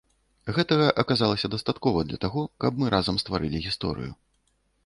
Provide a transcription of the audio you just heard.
Гэтага аказалася дастаткова для таго, каб мы разам стварылі гісторыю.